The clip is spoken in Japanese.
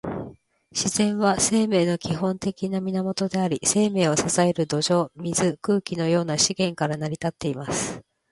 自然は、生命の基本的な源であり、生命を支える土壌、水、空気のような資源から成り立っています。